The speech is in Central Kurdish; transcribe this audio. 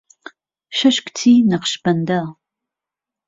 شهش کچی نهقشبهنده